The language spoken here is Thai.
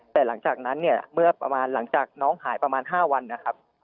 แต่หลังจากนั้นเนี่ยเมื่อประมาณหลังจากน้องหายประมาณ๕วันนะครับ